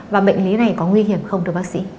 và bệnh lý này có nguy hiểm không thưa bác sĩ